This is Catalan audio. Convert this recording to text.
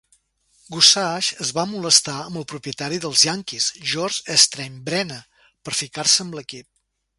Gossage es va molestar amb el propietari dels Yankees, George Steinbrenner, per ficar-se amb l"equip.